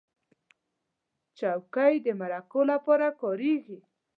چوکۍ د مرکو لپاره کارېږي.